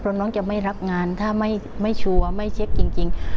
เพราะน้องจะไม่รับงานถ้าไม่ชัวร์ไม่เช็คจริง